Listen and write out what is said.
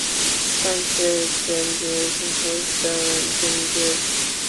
The second series ends with both Dawn and Tim depressed.